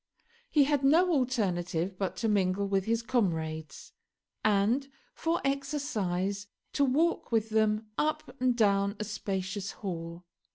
He had no alternative but to mingle with his comrades, and, for exercise, to walk with them up and down a spacious hall.